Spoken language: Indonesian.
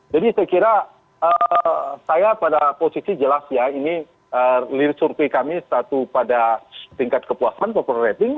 jadi saya kira saya pada posisi jelas ya ini lirik surpi kami satu pada tingkat kepuasan popular rating